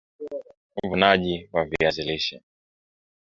uvunaji wa viazi lishe